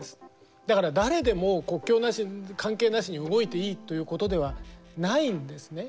だから誰でも国境関係なしに動いていいということではないんですね。